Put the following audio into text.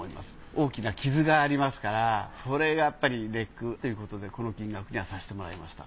大きな傷がありますからそれがやっぱりネックということでこの金額にはさせてもらいました。